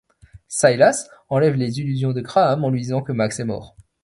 Silas enlève les illusions de Graham, en lui disant que Max est mort.